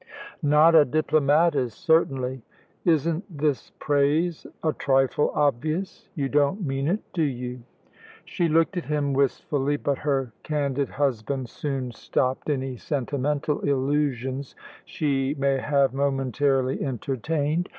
"Not a diplomatist, certainly. Isn't this praise a trifle obvious? You don't mean it, do you?" She looked at him wistfully, but her candid husband soon stopped any sentimental illusions she may have momentarily entertained.